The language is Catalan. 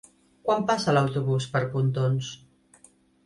Quan passa l'autobús per Pontons?